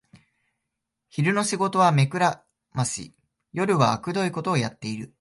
昼の仕事は目くらまし、夜はあくどいことをやってる